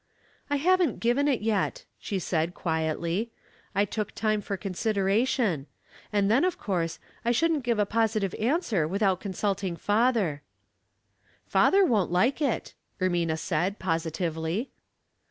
" 1 haven't given it yet," she said, quietly. " I took time for consideration ; and then, of course, I shouldn't give a positive answer with out consulting father." ''Father won't like it," Ermina said, posi tively.